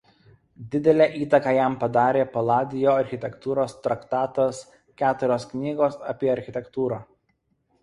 Didelę įtaką jam padarė Palladio architektūros traktatas „Keturios knygos apie architektūrą“.